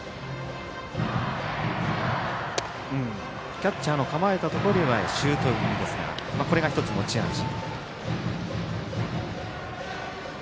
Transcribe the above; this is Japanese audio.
キャッチャーの構えたところにはシュート気味ですがこれが１つ、持ち味。